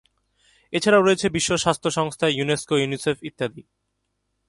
এছাড়াও রয়েছে বিশ্ব স্বাস্থ্য সংস্থা, ইউনেস্কো, ইউনিসেফ ইত্যাদি।